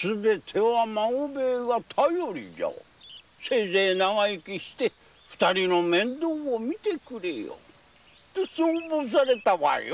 せいぜい長生きして二人の面倒を見てくれよ」とそう申されたわい！